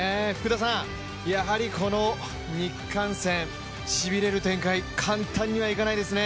やはりこの日韓戦、しびれる展開、簡単にはいかないですね。